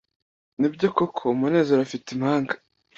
nibyo koko munezero afite impanga